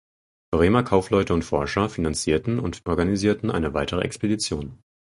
Bremer Kaufleute und Forscher finanzierten und organisierten eine weitere Expedition.